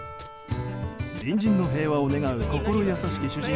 隣人の平和を願う心優しき